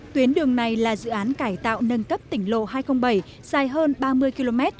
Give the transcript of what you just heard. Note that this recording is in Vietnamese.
tuyến đường này là dự án cải tạo nâng cấp tỉnh lộ hai trăm linh bảy dài hơn ba mươi km